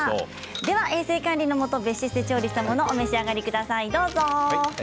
では衛生管理のもと別室で料理したものを召し上がってください。